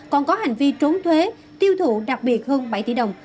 còn có hành vi trốn thuế tiêu thụ đặc biệt hơn bảy tỷ đồng